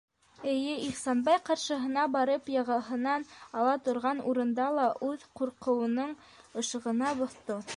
Эйе, Ихсанбай ҡаршыһына барып яғаһынан ала торған урында ла ул үҙ ҡурҡыуының ышығына боҫто.